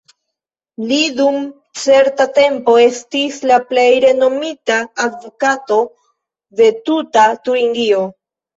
Li dum certa tempo estis la plej renomita advokato de tuta Turingio.